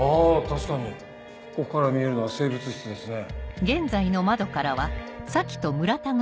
確かにここから見えるのは生物室ですね。